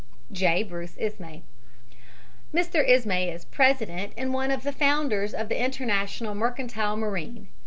J. BRUCE ISMAY Mr. Ismay is president and one of the founders of the International Mercantile Marine.